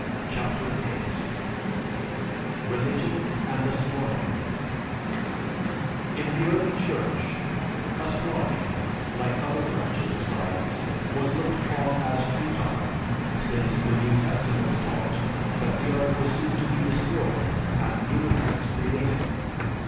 CHAPTER VIII RELIGION AND ASTRONOMY In the early Church, astronomy, like other branches of science, was looked upon as futile, since the New Testament taught that the earth was soon to be destroyed and new heavens created.